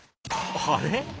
あれ？